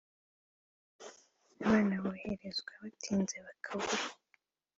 Abana boherezwa batinze bakabura